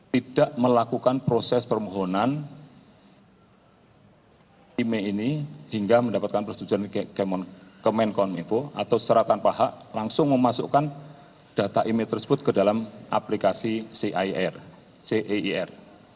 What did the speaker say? tidak melakukan proses permohonan email ini hingga mendapatkan persetujuan kemenkom info atau secara tanpa hak langsung memasukkan data email tersebut ke dalam aplikasi ceir